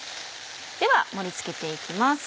では盛り付けて行きます。